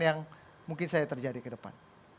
yang mungkin saja terjadi ke depan